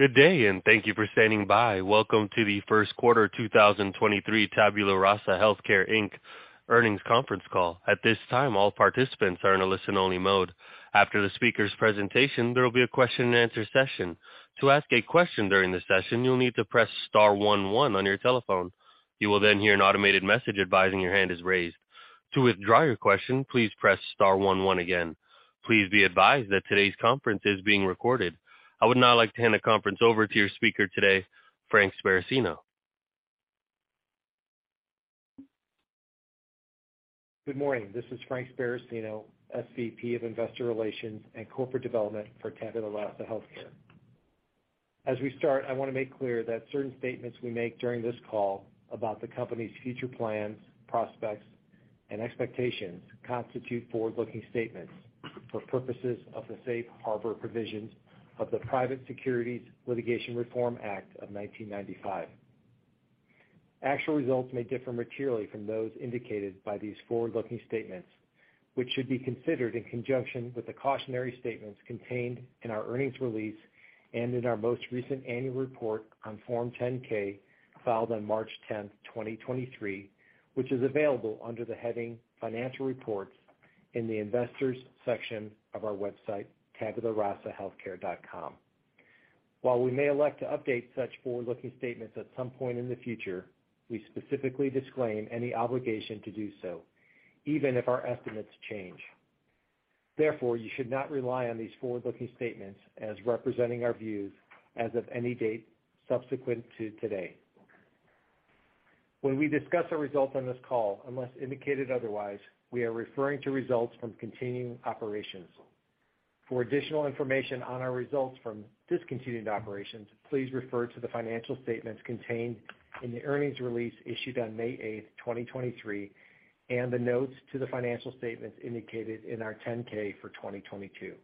Good day, and thank you for standing by. Welcome to the first quarter 2023 Tabula Rasa HealthCare Inc. earnings conference call. At this time, all participants are in a listen-only mode. After the speaker's presentation, there will be a question-and-answer session. To ask a question during the session, you'll need to press star 11 on your telephone. You will then hear an automated message advising your hand is raised. To withdraw your question, please press star 11 again. Please be advised that today's conference is being recorded. I would now like to hand the conference over to your speaker today, Frank Sparacino. Good morning. This is Frank Sparacino, SVP of Investor Relations and Corporate Development for Tabula Rasa HealthCare. As we start, I want to make clear that certain statements we make during this call about the company's future plans, prospects, and expectations constitute forward-looking statements for purposes of the safe harbor provisions of the Private Securities Litigation Reform Act of 1995. Actual results may differ materially from those indicated by these forward-looking statements, which should be considered in conjunction with the cautionary statements contained in our earnings release and in our most recent annual report on Form 10-K filed on March 10th, 2023, which is available under the heading Financial Reports in the Investors section of our website, tabularasahealthcare.com. While we may elect to update such forward-looking statements at some point in the future, we specifically disclaim any obligation to do so, even if our estimates change. Therefore, you should not rely on these forward-looking statements as representing our views as of any date subsequent to today. When we discuss our results on this call, unless indicated otherwise, we are referring to results from continuing operations. For additional information on our results from discontinued operations, please refer to the financial statements contained in the earnings release issued on May eighth, 2023, and the notes to the financial statements indicated in our 10-K for 2022.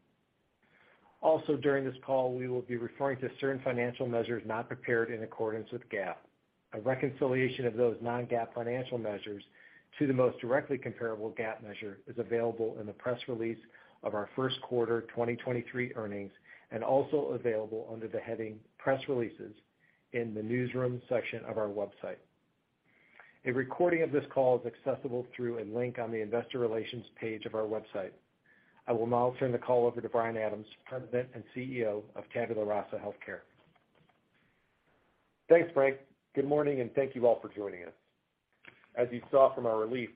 Also, during this call, we will be referring to certain financial measures not prepared in accordance with GAAP. A reconciliation of those non-GAAP financial measures to the most directly comparable GAAP measure is available in the press release of our first quarter 2023 earnings and also available under the heading Press Releases in the Newsroom section of our website. A recording of this call is accessible through a link on the Investor Relations page of our website. I will now turn the call over to Brian Adams, President and CEO of Tabula Rasa HealthCare. Thanks, Frank. Good morning, and thank you all for joining us. As you saw from our release,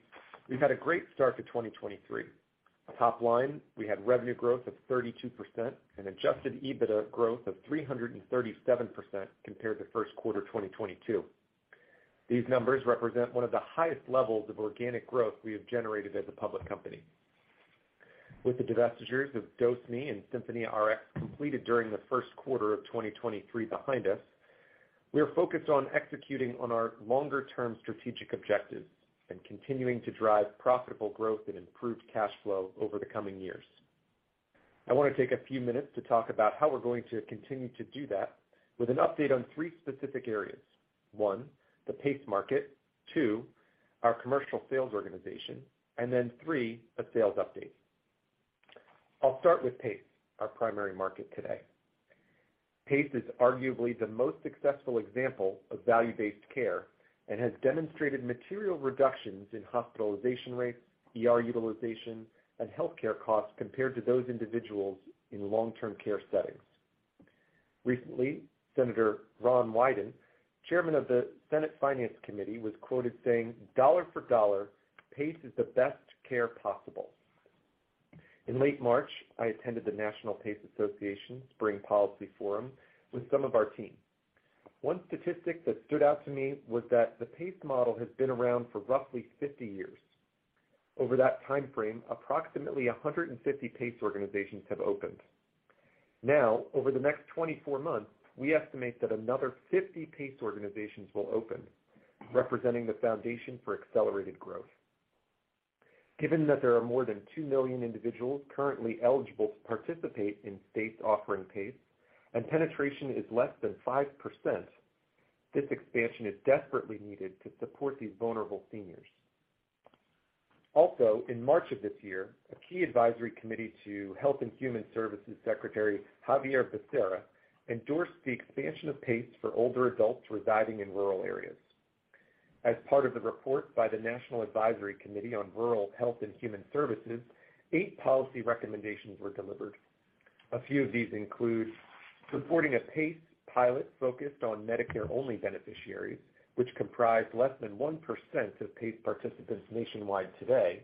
we've had a great start to 2023. Top line, we had revenue growth of 32% and adjusted EBITDA growth of 337% compared to first quarter 2022. These numbers represent one of the highest levels of organic growth we have generated as a public company. With the divestitures of DoseMe and SinfoníaRx completed during the first quarter of 2023 behind us, we are focused on executing on our longer-term strategic objectives and continuing to drive profitable growth and improved cash flow over the coming years. I want to take a few minutes to talk about how we're going to continue to do that with an update on three specific areas. One, the PACE market. Two, our commercial sales organization. Three, a sales update. I'll start with PACE, our primary market today. PACE is arguably the most successful example of value-based care and has demonstrated material reductions in hospitalization rates, ER utilization, and healthcare costs compared to those individuals in long-term care settings. Recently, Senator Ron Wyden, Chairman of the Senate Finance Committee, was quoted saying, "Dollar for dollar, PACE is the best care possible." In late March, I attended the National PACE Association Spring Policy Forum with some of our team. One statistic that stood out to me was that the PACE model has been around for roughly 50 years. Over that time frame, approximately 150 PACE organizations have opened. Now, over the next 24 months, we estimate that another 50 PACE organizations will open, representing the foundation for accelerated growth. Given that there are more than 2 million individuals currently eligible to participate in states offering PACE, and penetration is less than 5%, this expansion is desperately needed to support these vulnerable seniors. In March of this year, a key advisory committee to Health and Human Services Secretary Xavier Becerra endorsed the expansion of PACE for older adults residing in rural areas. As part of the report by the National Advisory Committee on Rural Health and Human Services, eight policy recommendations were delivered. A few of these include supporting a PACE pilot focused on Medicare-only beneficiaries, which comprise less than 1% of PACE participants nationwide today,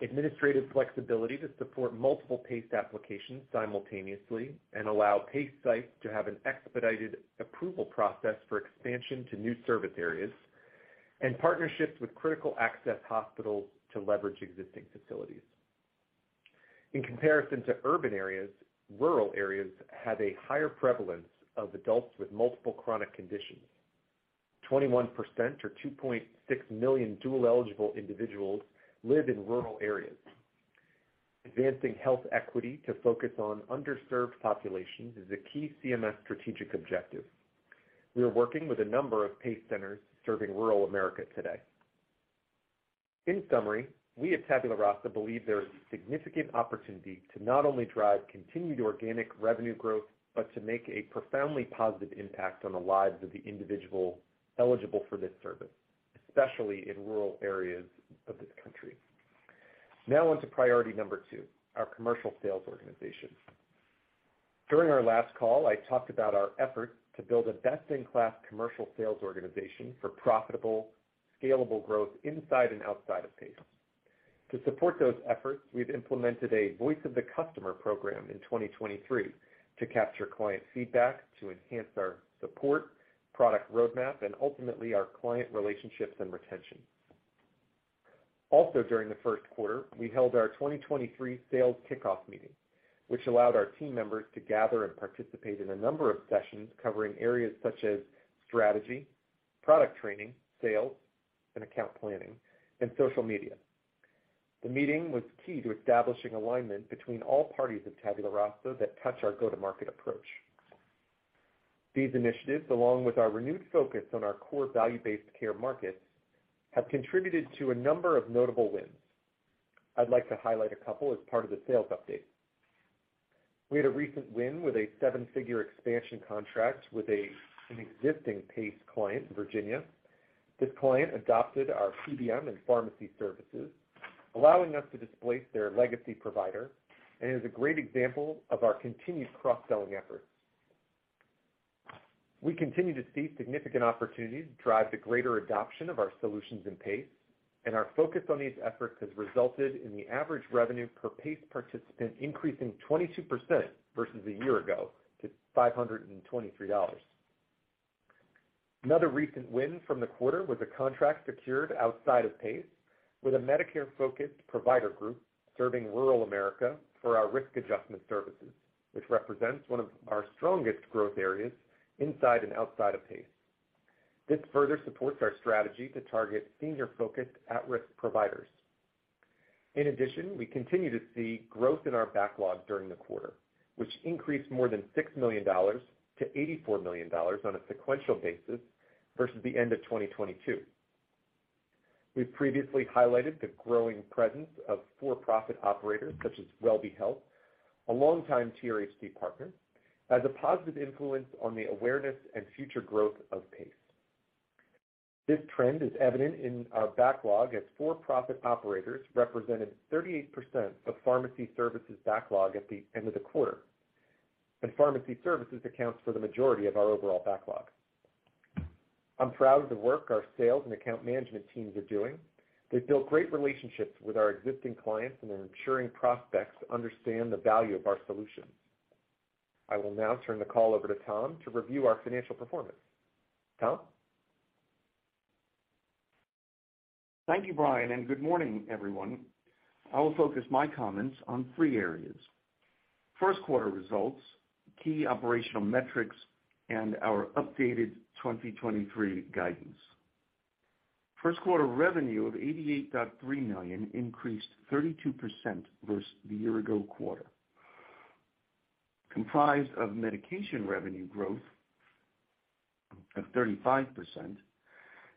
administrative flexibility to support multiple PACE applications simultaneously and allow PACE sites to have an expedited approval process for expansion to new service areas, and partnerships with critical access hospitals to leverage existing facilities. In comparison to urban areas, rural areas have a higher prevalence of adults with multiple chronic conditions. 21% or 2.6 million dual-eligible individuals live in rural areas. Advancing health equity to focus on underserved populations is a key CMS strategic objective. We are working with a number of PACE centers serving rural America today. In summary, we at Tabula Rasa believe there is significant opportunity to not only drive continued organic revenue growth, but to make a profoundly positive impact on the lives of the individual eligible for this service, especially in rural areas of this country. Now on to priority number two, our commercial sales organization. During our last call, I talked about our efforts to build a best-in-class commercial sales organization for profitable, scalable growth inside and outside of PACE. To support those efforts, we've implemented a Voice of the Customer program in 2023 to capture client feedback to enhance our support, product roadmap, and ultimately our client relationships and retention. Also during the first quarter, we held our 2023 sales kickoff meeting, which allowed our team members to gather and participate in a number of sessions covering areas such as strategy, product training, sales, and account planning, and social media. The meeting was key to establishing alignment between all parties of Tabula Rasa that touch our go-to-market approach. These initiatives, along with our renewed focus on our core value-based care markets, have contributed to a number of notable wins. I'd like to highlight a couple as part of the sales update. We had a recent win with a seven-figure expansion contract with an existing PACE client in Virginia. This client adopted our PBM and pharmacy services, allowing us to displace their legacy provider and is a great example of our continued cross-selling efforts. We continue to see significant opportunities to drive the greater adoption of our solutions in PACE, and our focus on these efforts has resulted in the average revenue per PACE participant increasing 22% versus a year ago to $523. Another recent win from the quarter was a contract secured outside of PACE with a Medicare-focused provider group serving rural America for our risk adjustment services, which represents one of our strongest growth areas inside and outside of PACE. This further supports our strategy to target senior-focused at-risk providers. In addition, we continue to see growth in our backlog during the quarter, which increased more than $6 million-$84 million on a sequential basis versus the end of 2022. We've previously highlighted the growing presence of for-profit operators such as WelbeHealth, a long-time TRHC partner, as a positive influence on the awareness and future growth of PACE. This trend is evident in our backlog as for-profit operators represented 38% of pharmacy services backlog at the end of the quarter, and pharmacy services accounts for the majority of our overall backlog. I'm proud of the work our sales and account management teams are doing. They've built great relationships with our existing clients and are ensuring prospects understand the value of our solutions. I will now turn the call over to Tom to review our financial performance. Tom? Thank you, Brian, and good morning, everyone. I will focus my comments on three areas: first quarter results, key operational metrics, and our updated 2023 guidance. First quarter revenue of 88.3 million increased 32% versus the year ago quarter, comprised of medication revenue growth of 35%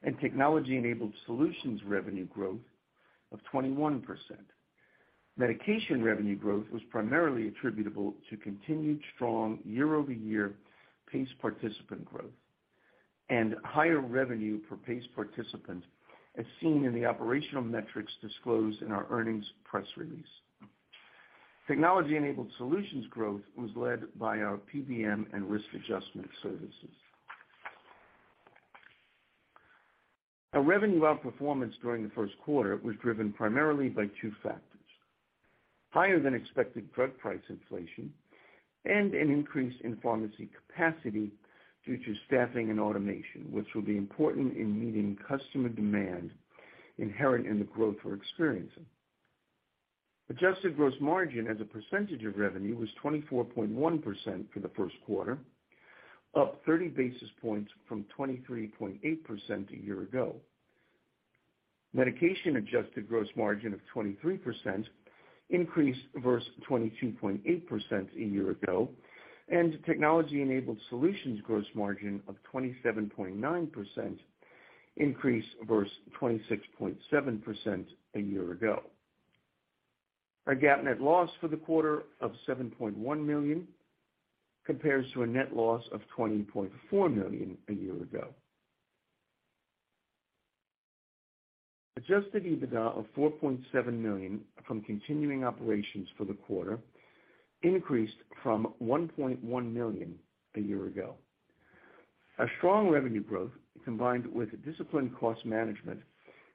and technology-enabled solutions revenue growth of 21%. Medication revenue growth was primarily attributable to continued strong year-over-year PACE participant growth and higher revenue per PACE participant, as seen in the operational metrics disclosed in our earnings press release. Technology-enabled solutions growth was led by our PBM and risk adjustment services. Our revenue outperformance during the first quarter was driven primarily by two factors: higher than expected drug price inflation and an increase in pharmacy capacity due to staffing and automation, which will be important in meeting customer demand inherent in the growth we're experiencing. Adjusted gross margin as a percentage of revenue was 24.1% for the first quarter, up 30 basis points from 23.8% a year ago. Medication adjusted gross margin of 23% increased versus 22.8% a year ago, and technology-enabled solutions gross margin of 27.9% increased versus 26.7% a year ago. Our GAAP net loss for the quarter of 7.1 million compares to a net loss of 20.4 million a year ago. Adjusted EBITDA of 4.7 million from continuing operations for the quarter increased from 1.1 million a year ago. Our strong revenue growth, combined with disciplined cost management,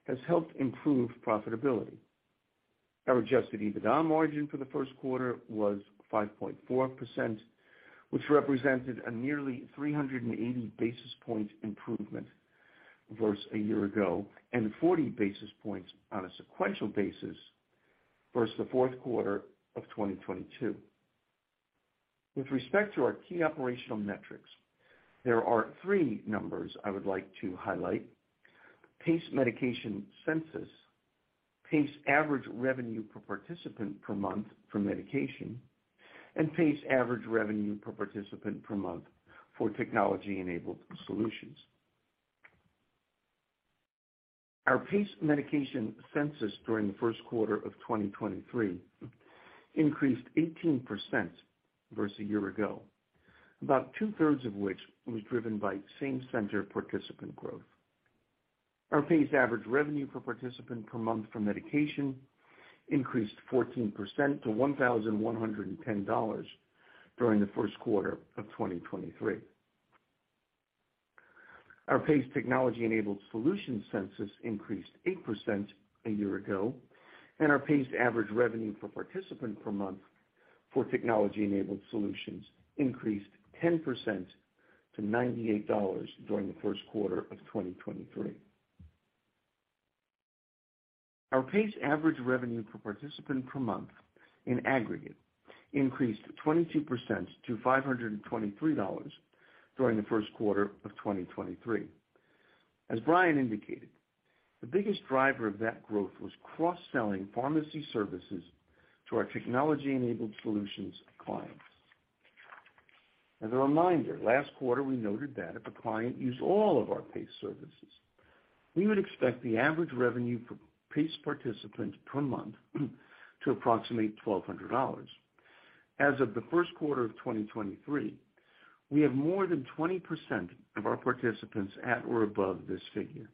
has helped improve profitability. Our adjusted EBITDA margin for the first quarter was 5.4%, which represented a nearly 380 basis point improvement versus a year ago and 40 basis points on a sequential basis versus the fourth quarter of 2022. With respect to our key operational metrics, there are three numbers I would like to highlight. PACE medication census, PACE average revenue per participant per month for medication and PACE average revenue per participant per month for technology enabled solutions. Our PACE medication census during the first quarter of 2023 increased 18% versus a year ago, about 2/3 of which was driven by same center participant growth. Our PACE average revenue per participant per month for medication increased 14% to $1,110 during the first quarter of 2023. Our PACE technology enabled solution census increased 8% a year ago, and our PACE average revenue per participant per month for technology enabled solutions increased 10% to $98 during the first quarter of 2023. Our PACE average revenue per participant per month in aggregate increased 22% to $523 during the first quarter of 2023. As Brian indicated, the biggest driver of that growth was cross-selling pharmacy services to our technology enabled solutions clients. As a reminder, last quarter we noted that if a client used all of our PACE services, we would expect the average revenue for PACE participants per month to approximate $1,200. As of the first quarter of 2023, we have more than 20% of our participants at or above this figure.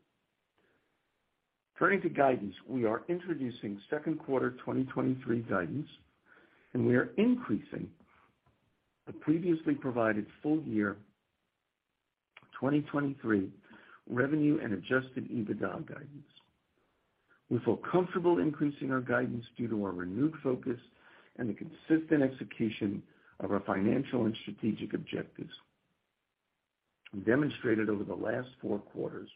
Turning to guidance, we are introducing second quarter 2023 guidance, and we are increasing the previously provided full year 2023 revenue and adjusted EBITDA guidance. We feel comfortable increasing our guidance due to our renewed focus and the consistent execution of our financial and strategic objectives demonstrated over the last four quarters.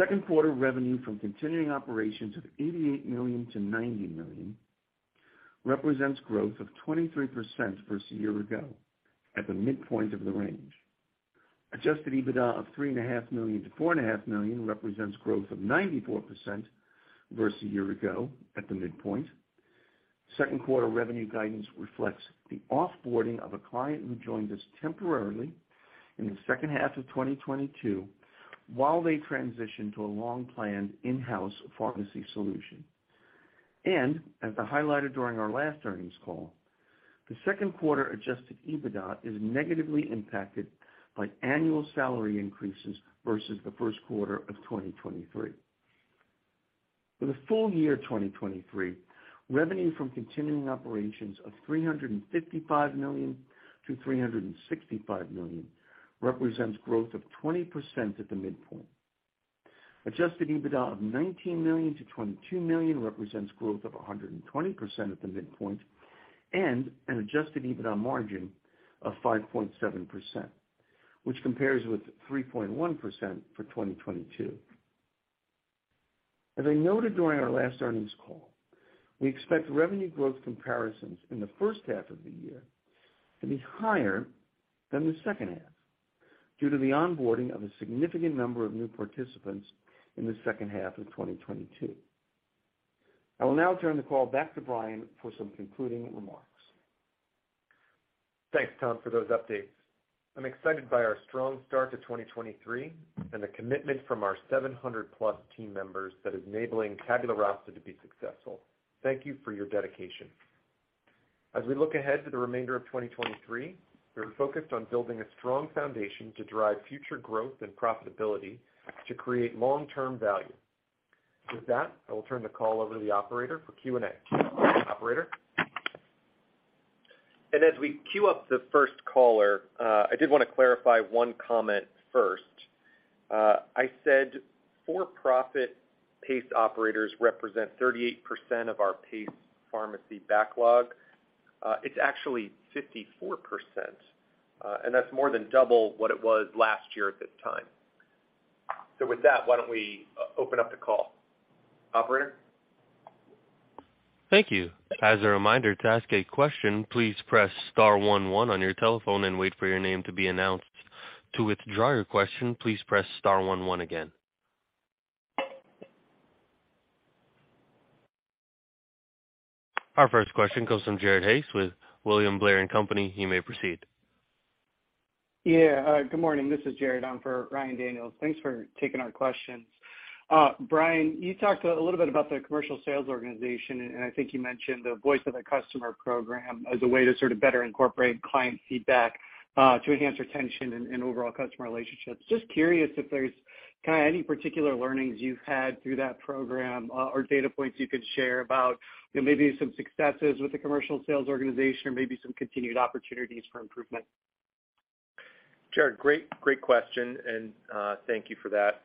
Second quarter revenue from continuing operations of 88 million-90 million represents growth of 23% versus a year ago at the midpoint of the range. Adjusted EBITDA of 3.5 million-4.5 million represents growth of 94% versus a year ago at the midpoint. Second quarter revenue guidance reflects the off-boarding of a client who joined us temporarily in the second half of 2022 while they transition to a long-planned in-house pharmacy solution. As I highlighted during our last earnings call, the second quarter adjusted EBITDA is negatively impacted by annual salary increases versus the first quarter of 2023. For the full year 2023, revenue from continuing operations of 355 million-365 million represents growth of 20% at the midpoint. Adjusted EBITDA of 19 million-22 million represents growth of 120% at the midpoint and an adjusted EBITDA margin of 5.7%, which compares with 3.1% for 2022. As I noted during our last earnings call, we expect revenue growth comparisons in the first half of the year to be higher than the second half due to the onboarding of a significant number of new participants in the second half of 2022. I will now turn the call back to Brian for some concluding remarks. Thanks, Tom, for those updates. I'm excited by our strong start to 2023 and the commitment from our 700+ team members that is enabling Tabula Rasa to be successful. Thank you for your dedication. We look ahead to the remainder of 2023, we're focused on building a strong foundation to drive future growth and profitability to create long-term value. With that, I will turn the call over to the operator for Q&A. Operator? As we queue up the first caller, I did want to clarify one comment first. I said for-profit PACE operators represent 38% of our PACE pharmacy backlog. It's actually 54%, and that's more than double what it was last year at this time. With that, why don't we open up the call. Operator? Thank you. As a reminder, to ask a question, please press star 11 on your telephone and wait for your name to be announced. To withdraw your question, please press star 11 again. Our first question comes from Jared Haase with William Blair & Company. You may proceed. Yeah, good morning. This is Jared, on for Ryan Daniels. Thanks for taking our questions. Brian, you talked a little bit about the commercial sales organization, and I think you mentioned the Voice of the Customer program as a way to sort of better incorporate client feedback to enhance retention and overall customer relationships. Just curious if there's kinda any particular learnings you've had through that program or data points you could share about, you know, maybe some successes with the commercial sales organization or maybe some continued opportunities for improvement. Jared, great question, thank you for that.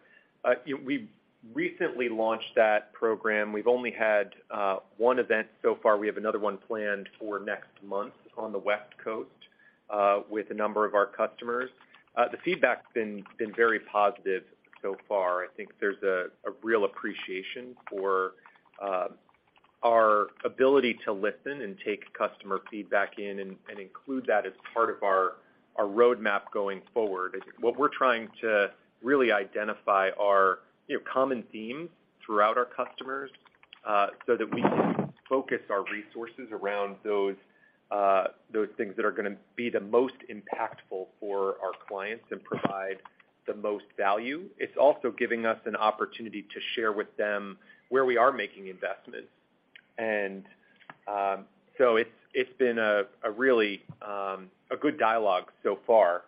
You know, we recently launched that program. We've only had one event so far. We have another one planned for next month on the West Coast with a number of our customers. The feedback's been very positive so far. I think there's a real appreciation for our ability to listen and take customer feedback in and include that as part of our roadmap going forward is what we're trying to really identify are, you know, common themes throughout our customers, so that we can focus our resources around those things that are going to be the most impactful for our clients and provide the most value. It's also giving us an opportunity to share with them where we are making investments. It's been a really a good dialogue so far.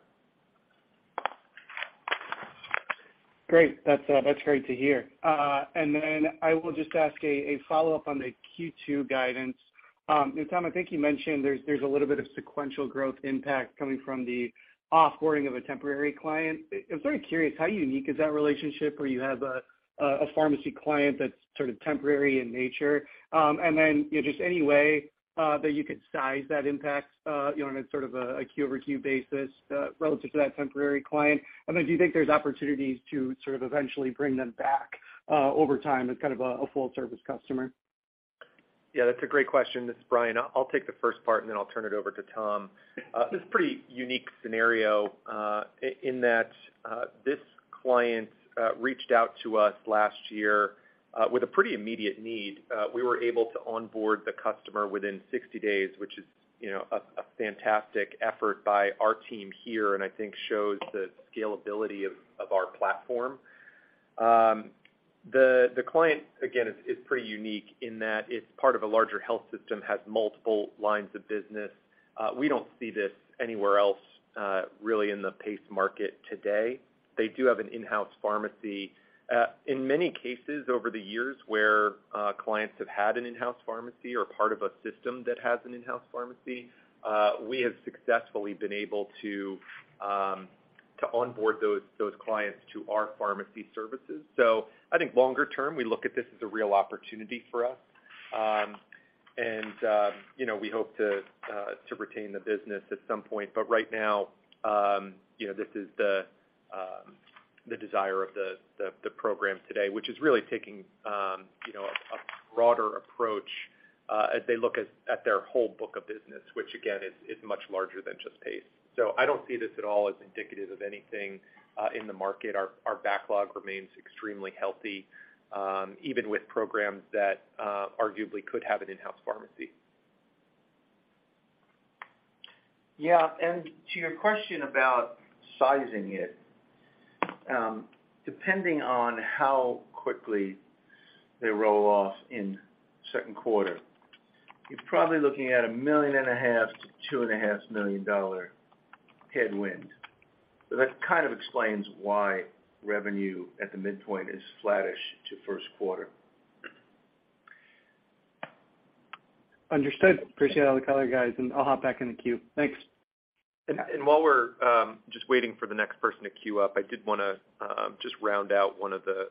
Great. That's great to hear. I will just ask a follow-up on the Q2 guidance. Tom, I think you mentioned there's a little bit of sequential growth impact coming from the off-boarding of a temporary client. I'm very curious, how unique is that relationship where you have a pharmacy client that's sort of temporary in nature? You know, just any way that you could size that impact, you know, on a sort of a Q-over-Q basis relative to that temporary client. Do you think there's opportunities to sort of eventually bring them back over time as kind of a full service customer? Yeah, that's a great question. This is Brian. I'll take the first part, and then I'll turn it over to Tom. This is a pretty unique scenario, in that this client reached out to us last year with a pretty immediate need. We were able to onboard the customer within 60 days, which is, you know, a fantastic effort by our team here, and I think shows the scalability of our platform. The client, again, is pretty unique in that it's part of a larger health system, has multiple lines of business. We don't see this anywhere else, really in the PACE market today. They do have an in-house pharmacy. In many cases over the years where clients have had an in-house pharmacy or part of a system that has an in-house pharmacy, we have successfully been able to onboard those clients to our pharmacy services. I think longer term, we look at this as a real opportunity for us. And, you know, we hope to retain the business at some point. Right now, you know, this is the program today, which is really taking, you know, a broader approach as they look at their whole book of business, which again is much larger than just PACE. I don't see this at all as indicative of anything in the market. Our backlog remains extremely healthy, even with programs that, arguably could have an in-house pharmacy. Yeah. To your question about sizing it, depending on how quickly they roll off in second quarter, you're probably looking at a million and a half to two and a half million dollar headwind. That kind of explains why revenue at the midpoint is flattish to first quarter. Understood. Appreciate all the color, guys, and I'll hop back in the queue. Thanks. While we're just waiting for the next person to queue up, I did want to just round out one of the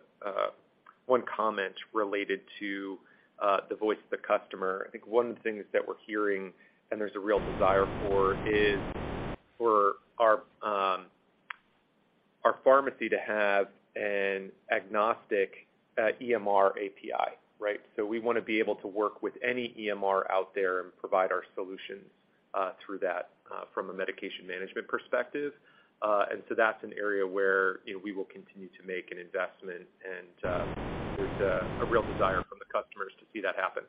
one comment related to the Voice of the Customer. I think one of the things that we're hearing and there's a real desire for is for our pharmacy to have an agnostic EMR API, right? We want to be able to work with any EMR out there and provide our solutions through that from a medication management perspective. That's an area where, you know, we will continue to make an investment and there's a real desire from the customers to see that happen.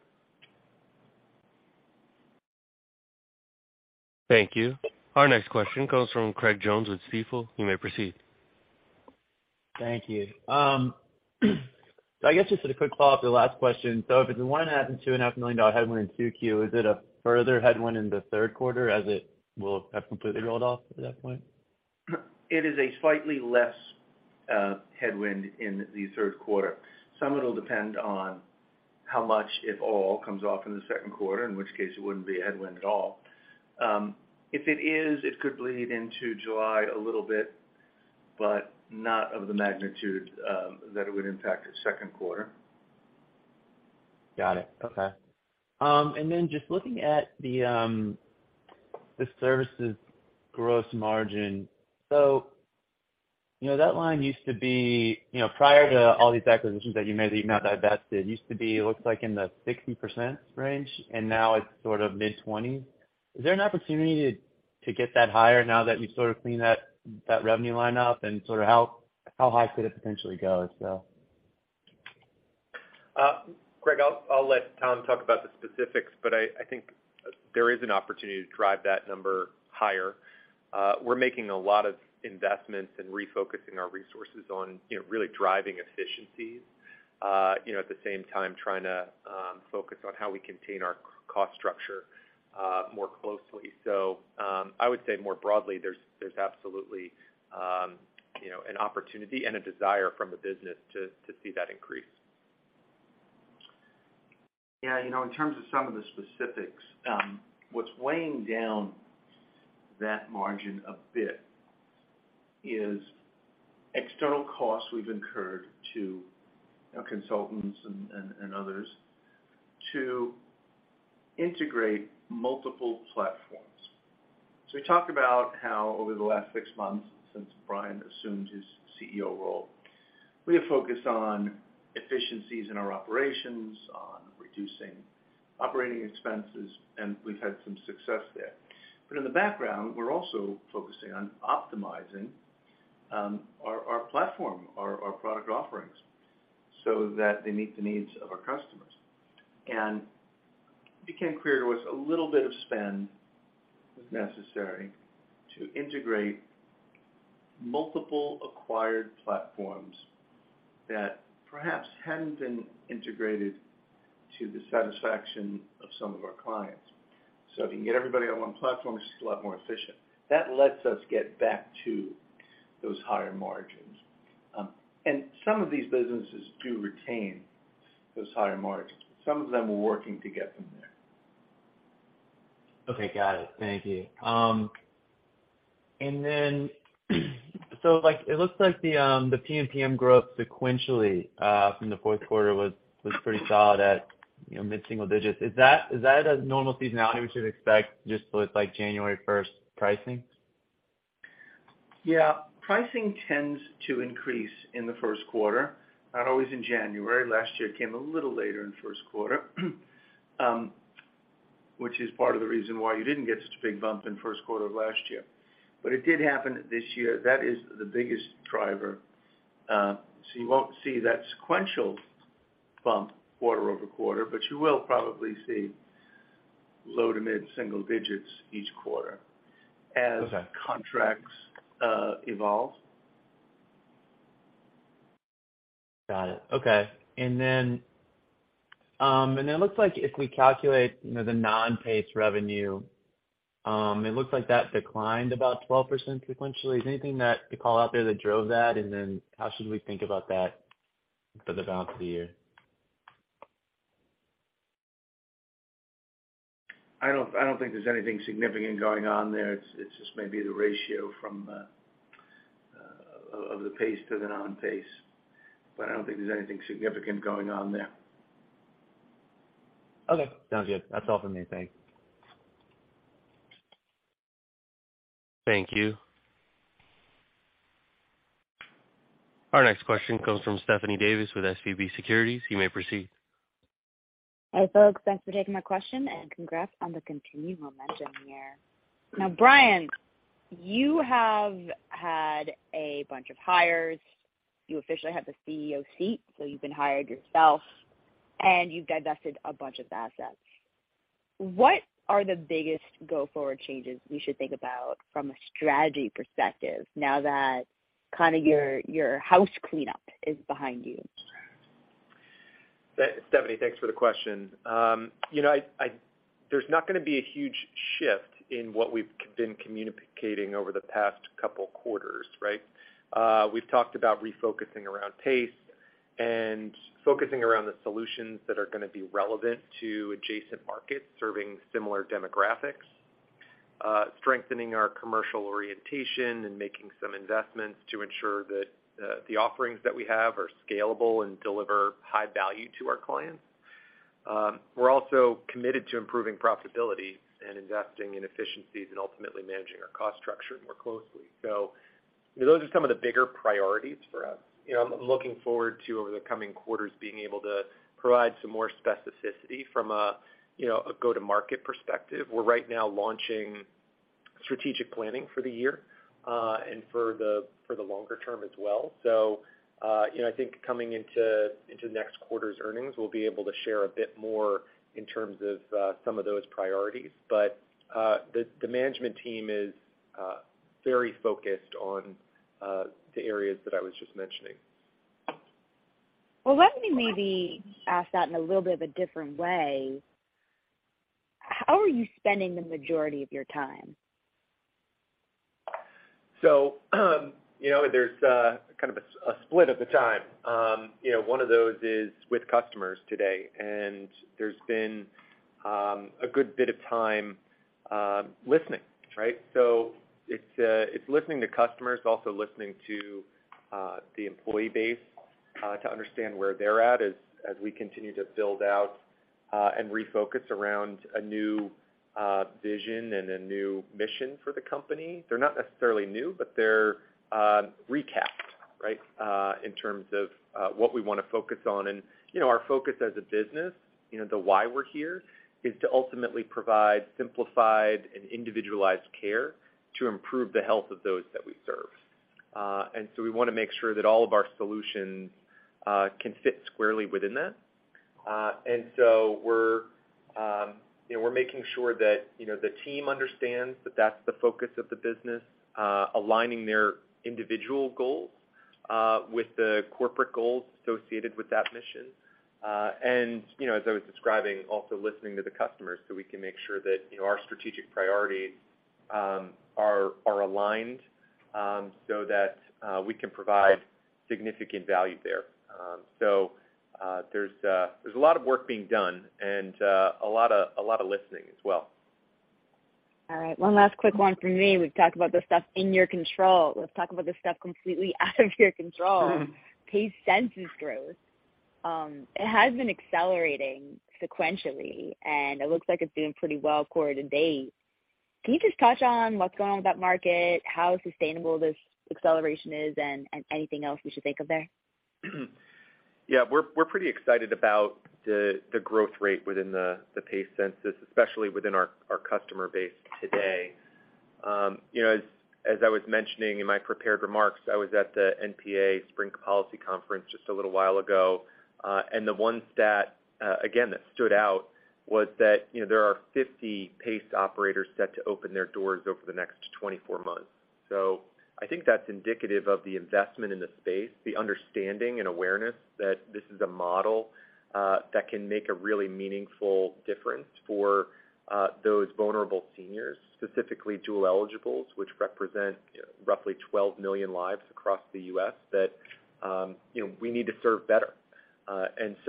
Thank you. Our next question comes from Craig Jones with Stifel. You may proceed. Thank you. I guess just as a quick follow-up to the last question. If it's a one and a half to two and a half million dollar headwind in 2Q, is it a further headwind in the third quarter as it will have completely rolled off at that point? It is a slightly less headwind in the third quarter. Some of it will depend on how much, if all, comes off in the second quarter, in which case it wouldn't be a headwind at all. If it is, it could bleed into July a little bit, but not of the magnitude that it would impact the second quarter. Got it. Okay. Just looking at the services gross margin. You know, that line used to be, you know, prior to all these acquisitions that you made that you've now divested, used to be, it looks like in the 60% range, and now it's sort of mid-20s. Is there an opportunity to get that higher now that you've sort of cleaned that revenue line up, and sort of how high could it potentially go? Craig, I'll let Tom talk about the specifics, but I think there is an opportunity to drive that number higher. We're making a lot of investments and refocusing our resources on really driving efficiencies, at the same time trying to focus on how we contain our cost structure more closely. I would say more broadly there's absolutely an opportunity and a desire from the business to see that increase. Yeah. You know, in terms of some of the specifics, what's weighing down that margin a bit is external costs we've incurred to, you know, consultants and others to integrate multiple platforms. We talked about how over the last six months since Brian assumed his CEO role, we have focused on efficiencies in our operations, on reducing operating expenses, and we've had some success there. In the background, we're also focusing on optimizing our platform, our product offerings, so that they meet the needs of our customers. It became clear to us a little bit of spend was necessary to integrate multiple acquired platforms that perhaps hadn't been integrated to the satisfaction of some of our clients. If you can get everybody on one platform, it's just a lot more efficient. That lets us get back to those higher margins. Some of these businesses do retain those higher margins. Some of them are working to get them there. Okay. Got it. Thank you. It looks like the PMPM growth sequentially from the fourth quarter was pretty solid at, you know, mid-single digits. Is that a normal seasonality we should expect just with like January first pricing? Yeah. Pricing tends to increase in the first quarter, not always in January. Last year it came a little later in first quarter, which is part of the reason why you didn't get such a big bump in first quarter of last year. It did happen this year. That is the biggest driver. You won't see that sequential bump quarter-over-quarter, but you will probably see low to mid-single digits each quarter. Okay... as contracts, evolve. Got it. Okay. It looks like if we calculate, you know, the non-PACE revenue, it looks like that declined about 12% sequentially. Is there anything that you call out there that drove that? How should we think about that for the balance of the year? I don't think there's anything significant going on there. It's just maybe the ratio from of the PACE to the non-PACE, but I don't think there's anything significant going on there. Okay. Sounds good. That's all for me. Thanks. Thank you. Our next question comes from Stephanie Davis with SVB Securities. You may proceed. Hi, folks. Thanks for taking my question and congrats on the continued momentum here. Brian, you have had a bunch of hires. You officially have the CEO seat, so you've been hired yourself, and you've divested a bunch of assets. What are the biggest go forward changes we should think about from a strategy perspective now that kind of your house cleanup is behind you? Stephanie, thanks for the question. You know, there's not going to be a huge shift in what we've been communicating over the past couple quarters, right? We've talked about refocusing around PACE and focusing around the solutions that are going to be relevant to adjacent markets serving similar demographics, strengthening our commercial orientation and making some investments to ensure that the offerings that we have are scalable and deliver high value to our clients. We're also committed to improving profitability and investing in efficiencies and ultimately managing our cost structure more closely. Those are some of the bigger priorities for us. You know, I'm looking forward to over the coming quarters being able to provide some more specificity from a, you know, a go-to-market perspective. We're right now launching strategic planning for the year, and for the longer term as well. You know, I think coming into next quarter's earnings, we'll be able to share a bit more in terms of some of those priorities. The management team is very focused on the areas that I was just mentioning. Well, let me maybe ask that in a little bit of a different way. How are you spending the majority of your time? You know, there's kind of a split of the time. You know, one of those is with customers today, and there's been a good bit of time listening, right? It's listening to customers, also listening to the employee base to understand where they're at as we continue to build out and refocus around a new vision and a new mission for the company. They're not necessarily new, but they're recast, right, in terms of what we want to focus on. You know, our focus as a business, you know, the why we're here is to ultimately provide simplified and individualized care to improve the health of those that we serve. We want to make sure that all of our solutions can fit squarely within that. We're, you know, we're making sure that, you know, the team understands that that's the focus of the business, aligning their individual goals with the corporate goals associated with that mission. You know, as I was describing, also listening to the customers so we can make sure that, you know, our strategic priorities are aligned so that we can provide significant value there. There's a lot of work being done and a lot of listening as well. All right. One last quick one from me. We've talked about the stuff in your control. Let's talk about the stuff completely out of your control. Mm-hmm. PACE census growth. It has been accelerating sequentially, and it looks like it's doing pretty well quarter to date. Can you just touch on what's going on with that market, how sustainable this acceleration is, and anything else we should think of there? Yeah. We're pretty excited about the growth rate within the PACE census, especially within our customer base today. You know, as I was mentioning in my prepared remarks, I was at the NPA Spring Policy Forum just a little while ago. The one stat again that stood out was that, you know, there are 50 PACE operators set to open their doors over the next 24 months. I think that's indicative of the investment in the space, the understanding and awareness that this is a model that can make a really meaningful difference for those vulnerable seniors, specifically dual eligibles, which represent roughly 12 million lives across the U.S., that, you know, we need to serve better.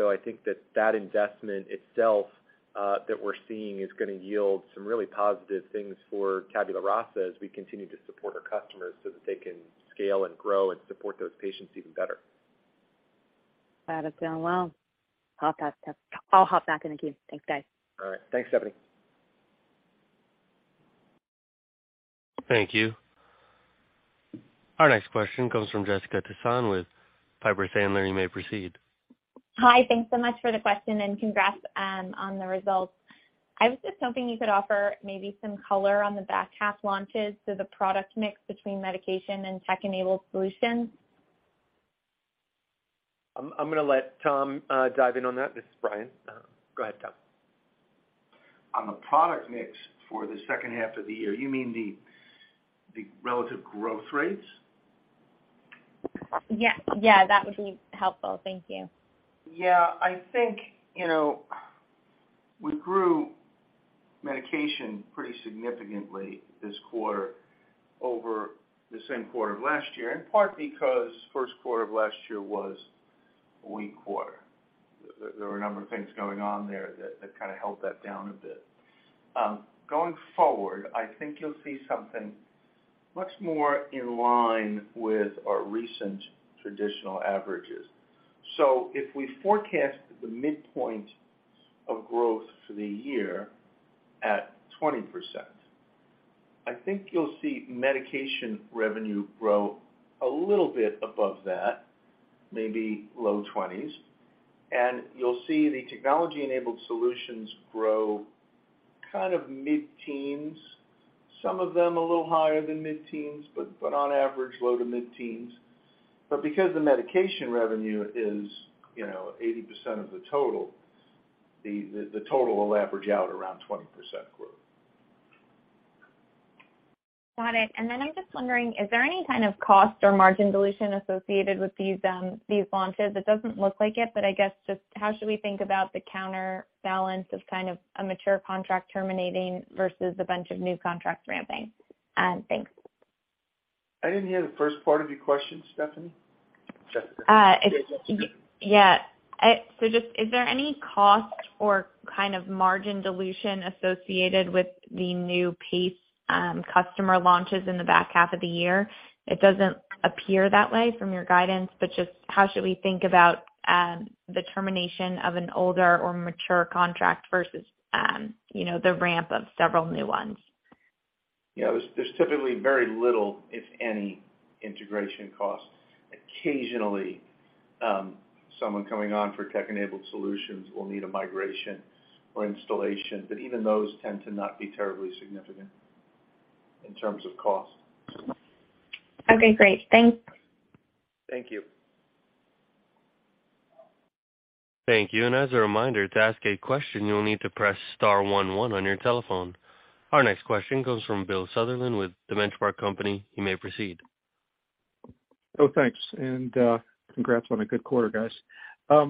I think that that investment itself that we're seeing is going to yield some really positive things for Tabula Rasa as we continue to support our customers so that they can scale and grow and support those patients even better. Got it. Doing well. I'll hop back in the queue. Thanks, guys. All right. Thanks, Stephanie. Thank you. Our next question comes from Jessica Tassan with Piper Sandler. You may proceed. Hi. Thanks so much for the question, and congrats on the results. I was just hoping you could offer maybe some color on the back half launches to the product mix between medication and tech-enabled solutions. I'm going to let Tom dive in on that. This is Brian. Go ahead, Tom. On the product mix for the second half of the year, you mean the relative growth rates? Yeah. Yeah, that would be helpful. Thank you. Yeah. I think, you know, we grew medication pretty significantly this quarter over the same quarter of last year, in part because first quarter of last year was a weak quarter. There were a number of things going on there that kinda held that down a bit. Going forward, I think you'll see something much more in line with our recent traditional averages. If we forecast the midpoint of growth for the year at 20%, I think you'll see medication revenue grow a little bit above that, maybe low twenties, and you'll see the technology-enabled solutions grow kind of mid-teens. Some of them a little higher than mid-teens, but on average, low to mid-teens. Because the medication revenue is, you know, 80% of the total, the total will average out around 20% growth. Got it. I'm just wondering, is there any kind of cost or margin dilution associated with these launches? It doesn't look like it, but I guess just how should we think about the counterbalance of kind of a mature contract terminating versus a bunch of new contracts ramping? Thanks. I didn't hear the first part of your question, Stephanie. Jessica. Uh, it's- Jessica. Just is there any cost or kind of margin dilution associated with the new PACE customer launches in the back half of the year? It doesn't appear that way from your guidance, just how should we think about the termination of an older or mature contract versus, you know, the ramp of several new ones? Yeah. There's typically very little, if any, integration costs. Occasionally, someone coming on for tech-enabled solutions will need a migration or installation, but even those tend to not be terribly significant in terms of cost. Okay, great. Thanks. Thank you. Thank you. As a reminder, to ask a question, you'll need to press star 11 on your telephone. Our next question comes from Bill Sutherland with The Benchmark Company. You may proceed. Thanks. Congrats on a good quarter, guys.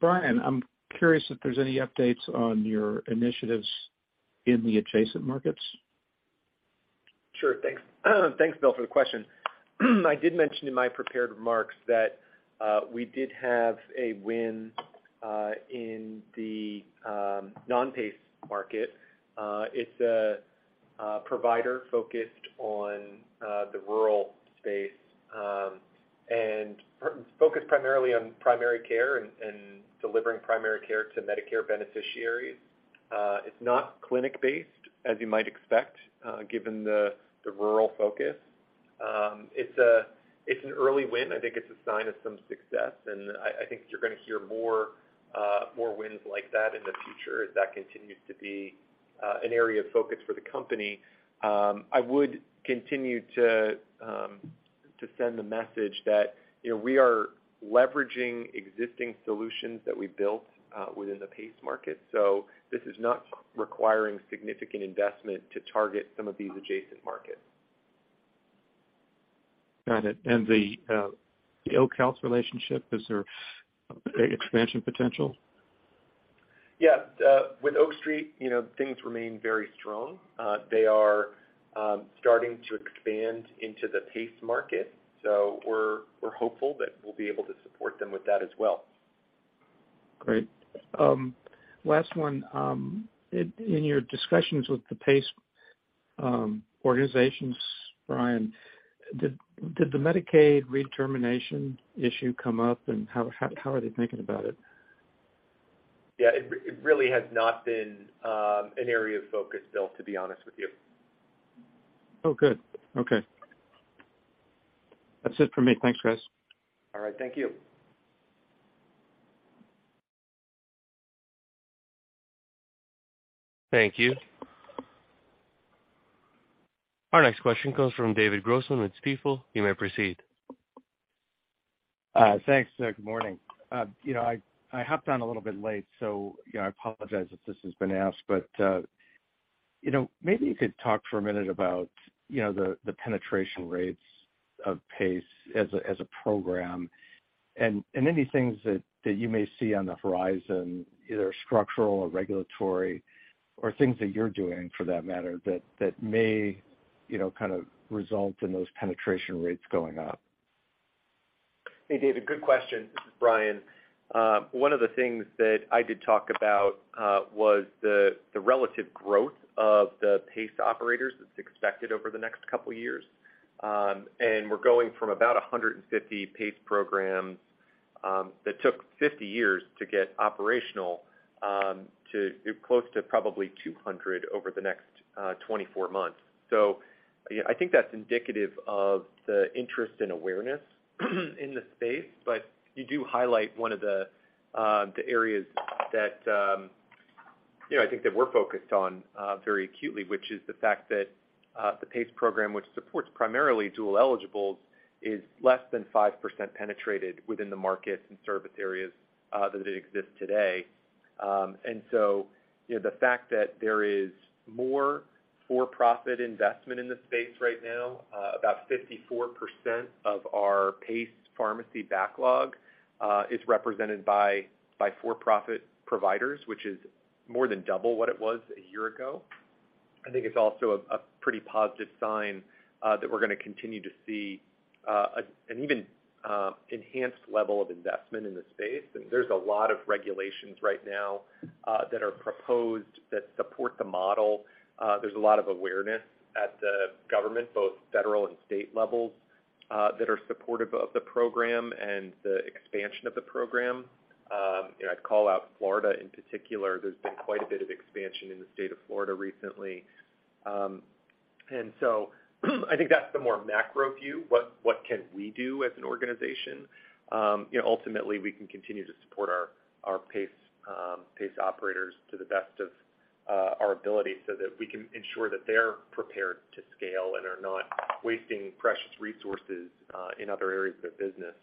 Brian, I'm curious if there's any updates on your initiatives in the adjacent markets. Sure. Thanks, Bill Sutherland, for the question. I did mention in my prepared remarks that we did have a win in the non-PACE market. It's a provider focused on the rural space, and focused primarily on primary care and delivering primary care to Medicare beneficiaries. It's not clinic-based as you might expect, given the rural focus. It's an early win. I think it's a sign of some success, and I think you're going to hear more wins like that in the future as that continues to be an area of focus for the company. I would continue to send the message that, you know, we are leveraging existing solutions that we built within the PACE market. This is not requiring significant investment to target some of these adjacent markets. Got it. The Oak Street Health relationship, is there expansion potential? With Oak Street, you know, things remain very strong. They are starting to expand into the PACE market. We're hopeful that we'll be able to support them with that as well. Great. last one. in your discussions with the PACE. Organizations, Brian, did the Medicaid redetermination issue come up, and how are they thinking about it? It really has not been an area of focus, Bill, to be honest with you. Oh, good. Okay. That's it for me. Thanks, guys. All right, thank you. Thank you. Our next question comes from David Grossman with Stifel. You may proceed. Thanks. Good morning. You know, I hopped on a little bit late. I apologize if this has been asked, but, you know, maybe you could talk for one minute about, you know, the penetration rates of PACE as a program and any things that you may see on the horizon, either structural or regulatory or things that you're doing, for that matter, that may, you know, kind of result in those penetration rates going up. Hey, David, good question. This is Brian. One of the things that I did talk about, was the relative growth of the PACE operators that's expected over the next couple years. We're going from about 150 PACE programs, that took 50 years to get operational, to close to probably 200 over the next 24 months. I think that's indicative of the interest and awareness in the space. You do highlight one of the areas that, you know, I think that we're focused on very acutely, which is the fact that the PACE program, which supports primarily dual eligibles, is less than 5% penetrated within the market and service areas, that it exists today. You know, the fact that there is more for-profit investment in the space right now, about 54% of our PACE pharmacy backlog is represented by for-profit providers, which is more than double what it was a year ago. I think it's also a pretty positive sign that we're going to continue to see an even enhanced level of investment in the space. There's a lot of regulations right now that are proposed that support the model. There's a lot of awareness at the government, both federal and state levels, that are supportive of the program and the expansion of the program. You know, I'd call out Florida in particular. There's been quite a bit of expansion in the state of Florida recently. I think that's the more macro view. What can we do as an organization? you know, ultimately, we can continue to support our PACE operators to the best of our ability so that we can ensure that they're prepared to scale and are not wasting precious resources in other areas of their business.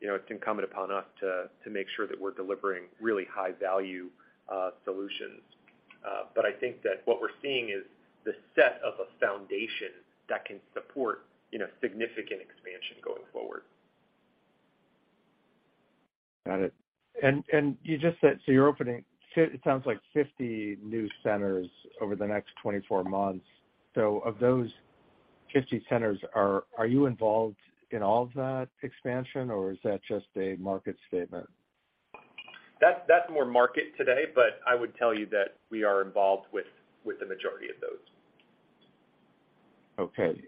you know, it's incumbent upon us to make sure that we're delivering really high-value solutions. I think that what we're seeing is the set of a foundation that can support, you know, significant expansion going forward. Got it. You just said, you're opening it sounds like 50 new centers over the next 24 months. Of those 50 centers, are you involved in all of that expansion or is that just a market statement? That's more market today, but I would tell you that we are involved with the majority of those. Okay.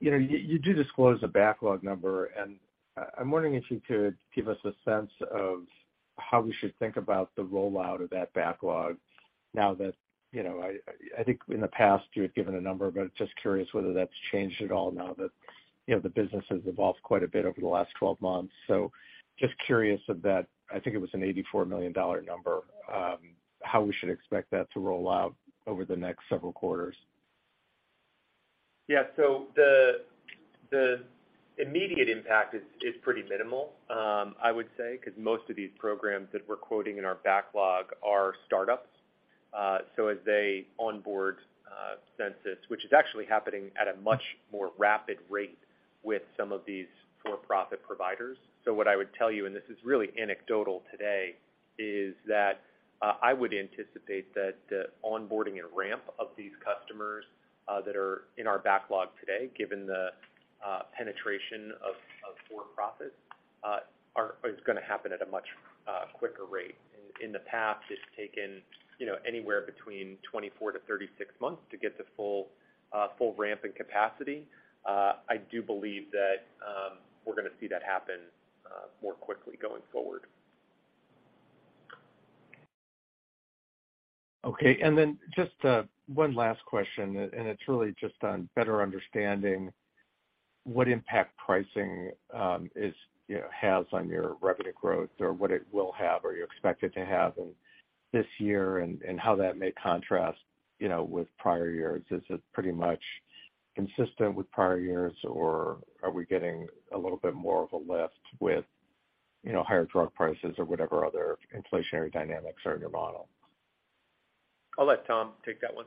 You know, you do disclose a backlog number, and I'm wondering if you could give us a sense of how we should think about the rollout of that backlog now that, you know, I think in the past you had given a number, but just curious whether that's changed at all now that, you know, the business has evolved quite a bit over the last 12 months. Just curious if that, I think it was an $84 million number, how we should expect that to roll out over the next several quarters? Yeah. The, the immediate impact is pretty minimal, I would say, because most of these programs that we're quoting in our backlog are startups. As they onboard, census, which is actually happening at a much more rapid rate with some of these for-profit providers. What I would tell you, and this is really anecdotal today, is that, I would anticipate that the onboarding and ramp of these customers, that are in our backlog today, given the penetration of for-profits, is going to happen at a much quicker rate. In, in the past, it's taken, you know, anywhere between 24-36 months to get to full ramp and capacity. I do believe that we're going to see that happen more quickly going forward. Okay. Just one last question, and it's really just on better understanding what impact pricing is, you know, has on your revenue growth or what it will have or you expect it to have in this year and how that may contrast, you know, with prior years. Is it pretty much consistent with prior years, or are we getting a little bit more of a lift with, you know, higher drug prices or whatever other inflationary dynamics are in your model? I'll let Tom take that one.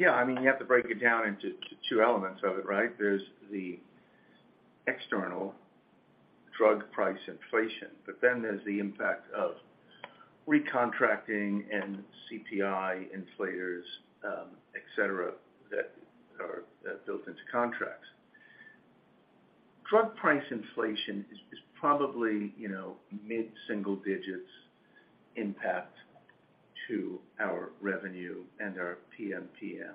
Yeah, I mean, you have to break it down into two elements of it, right? There's the external drug price inflation, but then there's the impact of recontracting and CPI inflators, et cetera. Contracts. Drug price inflation is probably, you know, mid-single digits impact to our revenue and our PMPM.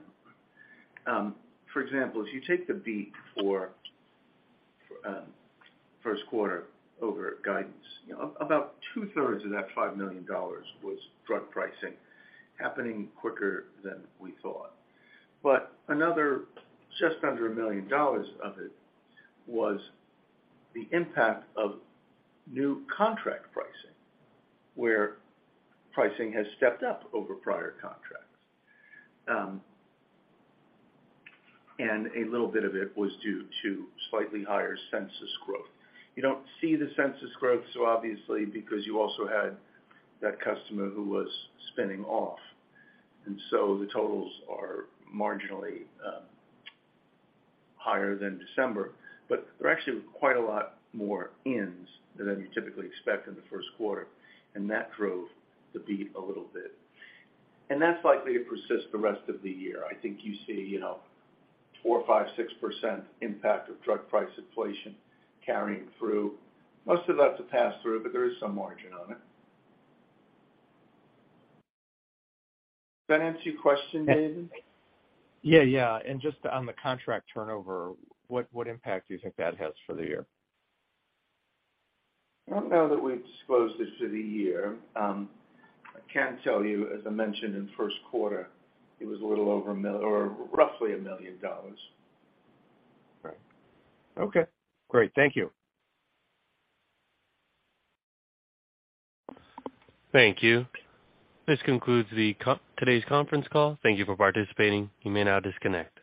For example, if you take the beat for first quarter over guidance, you know, about two-thirds of that $5 million was drug pricing happening quicker than we thought. Another just under $1 million of it was the impact of new contract pricing, where pricing has stepped up over prior contracts. A little bit of it was due to slightly higher census growth. You don't see the census growth so obviously because you also had that customer who was spinning off. The totals are marginally higher than December, but there actually were quite a lot more ends than you typically expect in the first quarter, and that drove the beat a little bit. That's likely to persist the rest of the year. I think you see, you know, 4%, 5%, 6% impact of drug price inflation carrying through. Most of that's a pass-through, but there is some margin on it. Does that answer your question, Nathan? Yeah, yeah. Just on the contract turnover, what impact do you think that has for the year? I don't know that we've disclosed this to the year. I can tell you, as I mentioned in the first quarter, it was roughly $1 million. Right. Okay, great. Thank you. Thank you. This concludes today's conference call. Thank you for participating. You may now disconnect.